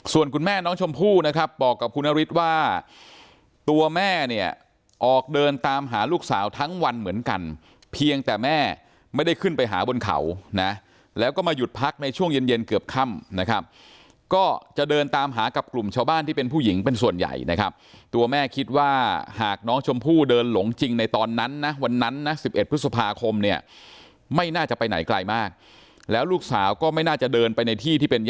ส่วนคุณแม่น้องชมพู่นะครับบอกกับคุณฮฤทธิ์ว่าตัวแม่เนี่ยออกเดินตามหาลูกสาวทั้งวันเหมือนกันเพียงแต่แม่ไม่ได้ขึ้นไปหาบนเขานะแล้วก็มาหยุดพักในช่วงเย็นเกือบค่ำนะครับก็จะเดินตามหากับกลุ่มชาวบ้านที่เป็นผู้หญิงเป็นส่วนใหญ่นะครับตัวแม่คิดว่าหากน้องชมพู่เดินหลงจริงในต